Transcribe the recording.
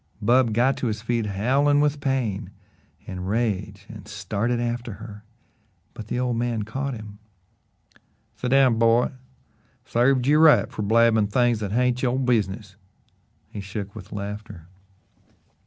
Bub got to his feet howling with pain and rage and started after her, but the old man caught him: "Set down, boy! Sarved you right fer blabbin' things that hain't yo' business." He shook with laughter.